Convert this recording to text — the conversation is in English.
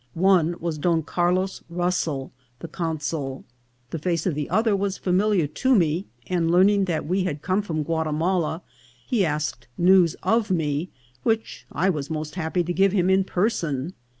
One was Don Carlos Russell, the consul. The face of the other was familiar to me ; and learn ing that we had come from Guatimala, he asked news of me, which I was most happy to give him in person.